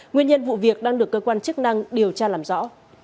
nguyên nhân vụ việc đang được cơ quan chức năng điều tra làm rõ